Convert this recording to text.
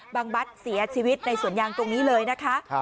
บัตรเสียชีวิตในสวนยางตรงนี้เลยนะคะ